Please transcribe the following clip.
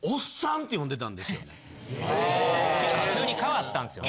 ・へぇ・急に変わったんっすよね。